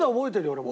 俺も。